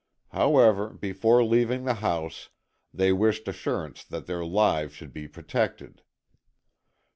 However, before leaving the house, they wished assurance that their lives should be protected.